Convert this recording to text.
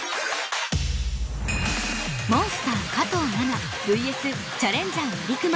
モンスター加藤ナナＶＳチャレンジャーまりくま。